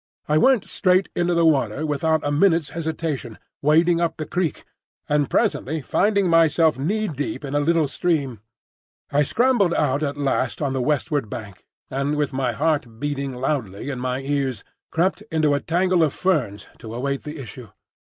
I went straight into the water without a minute's hesitation, wading up the creek, and presently finding myself kneedeep in a little stream. I scrambled out at last on the westward bank, and with my heart beating loudly in my ears, crept into a tangle of ferns to await the issue.